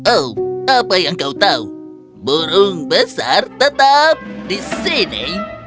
oh apa yang kau tahu burung besar tetap di sini